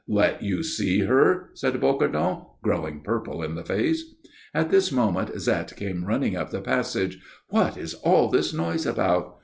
"Let you see her?" said Bocardon, growing purple in the face. At this moment Zette came running up the passage. "What is all this noise about?"